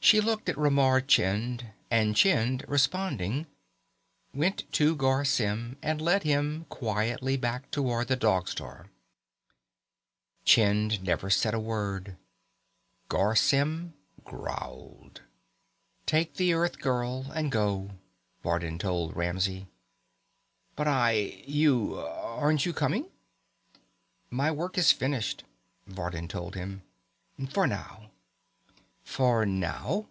She looked at Ramar Chind and Chind, responding, went to Garr Symm and led him quietly back toward the Dog Star. Chind never said a word. Garr Symm growled. "Take the Earthgirl and go," Vardin told Ramsey. "But I you aren't you coming?" "My work is finished," Vardin told him. "For now." "For now?"